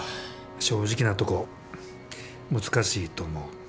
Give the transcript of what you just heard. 正直なとこ難しいと思う。